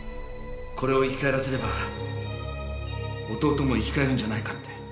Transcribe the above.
これを生き返らせれば弟も生き返るんじゃないかって。